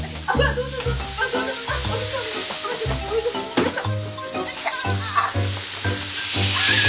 どうしよ！？